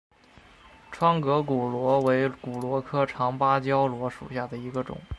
窗格骨螺为骨螺科长芭蕉螺属下的一个种。